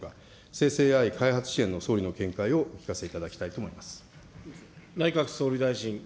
生成ＡＩ開発支援の総理の見解をお聞かせいただきたいと思います。